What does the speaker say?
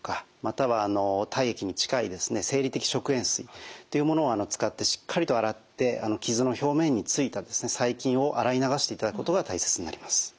生理的食塩水っていうものを使ってしっかりと洗って傷の表面についた細菌を洗い流していただくことが大切になります。